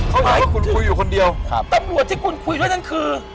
เขาให้คุณคุยอยู่คนเดียวครับตำรวจที่คุณคุยด้วยนั่นคือ